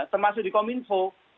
termasuk di kominfo